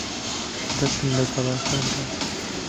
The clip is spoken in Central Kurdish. دەستم لە گەڵاکان دا.